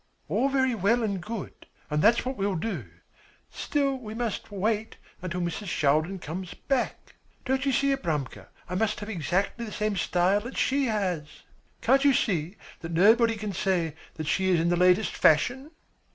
"All very well and good, and that's what we'll do. Still we must wait until Mrs. Shaldin comes back. Don't you see, Abramka, I must have exactly the same style that she has? Can't you see, so that nobody can say that she is in the latest fashion?"